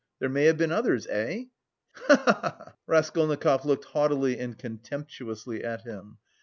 There may have been others, eh? He he he!" Raskolnikov looked haughtily and contemptuously at him.